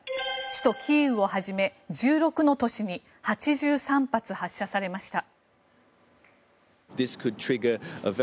首都キーウをはじめ１６の都市に８３発発射されました。